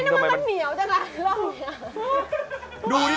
ไม่น่าว่ามันเหนียวจำล่ะรอบนี้